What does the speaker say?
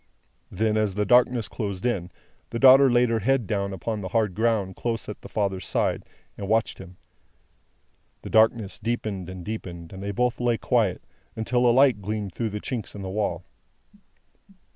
Then, as the darkness closed in, the daughter laid her head down on the hard ground close at the father's side, and watched him. The darkness deepened and deepened, and they both lay quiet, until a light gleamed through the chinks in the wall.